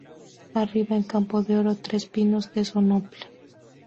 Arriba en campo de oro, tres pinos de sinople.